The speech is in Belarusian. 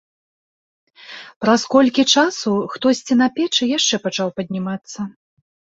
Праз колькі часу хтосьці на печы яшчэ пачаў паднімацца.